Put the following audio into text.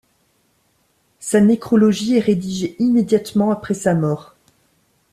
Sa nécrologie est rédigée immédiatement après sa mort.